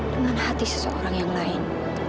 dengan hati seseorang yang lain